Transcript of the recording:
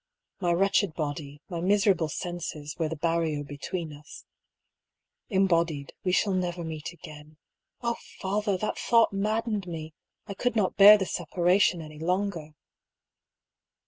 My wretched body, my miserable senses, were the barrier between us. Embodied, we shall never meet again. Oh, father! that thought maddened me; I could not bear the separation any longer.